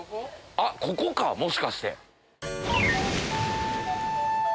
あっここかもしかして。